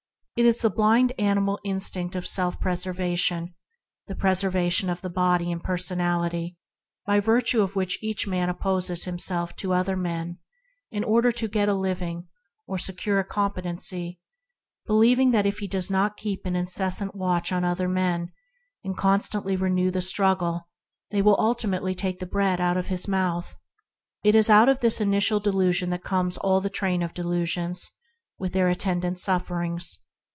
It is the blind animal instinct of self preservation — the preservation of the body and personality — by virtue of which each man opposes him self to other men in order to get a living or secure a competency, believing that if he does not keep an incessant watch on other men and constantly renew the struggle, they will ultimately take the bread out of his mouth. Out of this initial delusion comes all the train of delusions with their attend ant sufferings that obtains in the world around us.